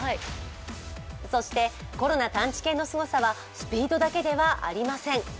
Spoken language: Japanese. そしてコロナ探知犬のすごさはスピードだけではありません。